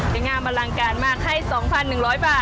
ยังงามบัลลังการมากให้๒๑๐๐บาทจ้า